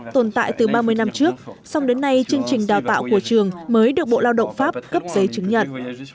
tồn tại từ ba mươi năm trước xong đến nay chương trình đào tạo của trường mới được bộ lao động pháp cấp giấy chứng nhận